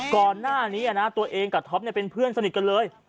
ก่อนหน้านี้ตัวเองกับท็อปเป็นเพื่อนสนิทกันเลย